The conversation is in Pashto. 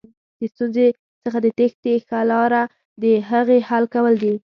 د ستونزې څخه د تېښتې ښه لاره دهغې حل کول دي.